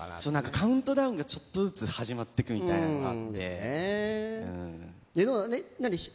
カウントダウンがちょっとずつ始まっていくみたいなのがあるんで。